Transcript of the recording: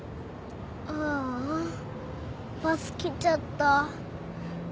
ああバス来ちゃった。